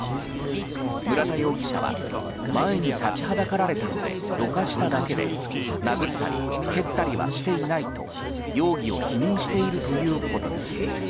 村田容疑者は前に立ちはだかられたのでどかしただけで殴ったり蹴ったりはしていないと容疑を否認しているということです。